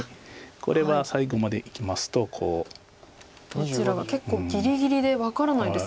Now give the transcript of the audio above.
どちらが結構ぎりぎりで分からないですね。